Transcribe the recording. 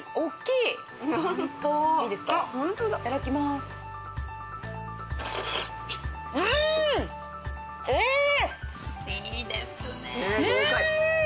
いいですねぇ。